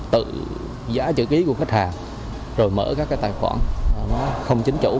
tự giá chữ ký của khách hàng rồi mở các cái tài khoản nó không chính chủ